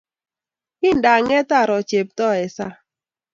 Kindang'et aro Cheptoo eng' sang'